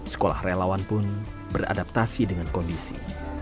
sekolah relawan pun beradaptasi dengan kondisi